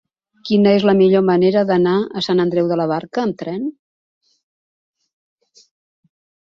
Quina és la millor manera d'anar a Sant Andreu de la Barca amb tren?